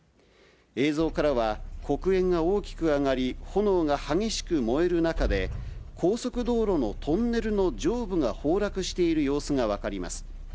映像からは、黒煙が大きく上がり、炎が激しく燃える中で、高速道路のトンネルの上部が崩落している様子が分かります。